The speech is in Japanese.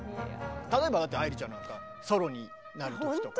例えばだって愛理ちゃんなんかソロになる時とかさ。